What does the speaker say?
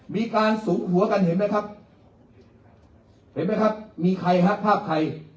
มีการสูบหัวกันเห็นไหมครับเห็นไหมครับมีใครฮะภาพใคร